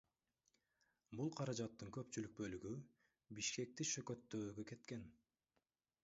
Бул каражаттын көпчүлүк бөлүгү Бишкекти шөкөттөөгө кеткен.